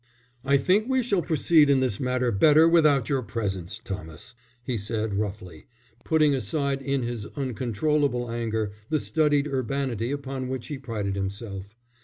"I think we shall proceed in this matter better without your presence, Thomas," he said roughly, putting aside in his uncontrollable anger the studied urbanity upon which he prided himself.